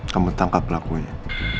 kamu tangkap pelakunya